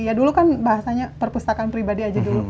ya dulu kan bahasanya perpustakaan pribadi aja dulu